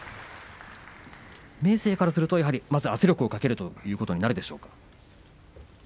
明生からすると圧力をかけるということになるでしょうか。